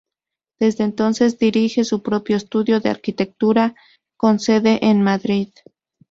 Desde entonces dirige su propio estudio de arquitectura, con sede en Madrid.